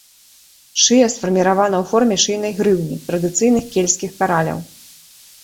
Шыя сфарміравана ў форме шыйнай грыўні, традыцыйных кельцкіх караляў.